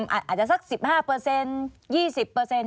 อาจจะสัก๑๕๒๐